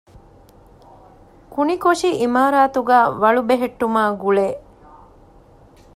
ކުނިކޮށި އިމާރާތުގައި ވަޅު ބެހެއްޓުމާގުޅޭ